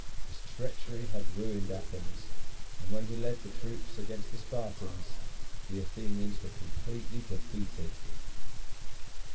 His treachery had ruined Athens; and when he led the troops against the Spartans, the Athenians were completely defeated.